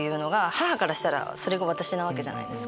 母からしたらそれが私なわけじゃないですか。